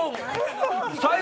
最高。